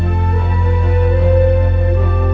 jangan bantul terminan